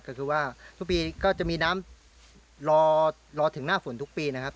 ก็คือว่าทุกปีก็จะมีน้ำรอถึงหน้าฝนทุกปีนะครับ